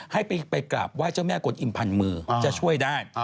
ให้ไปกราบไหว้เจ้าแม่กลอิ่มพันมือจะช่วยได้